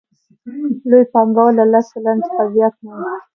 لوی پانګوال له لس سلنه څخه زیات نه وو